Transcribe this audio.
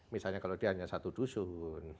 misalnya kalau dia hanya satu dusun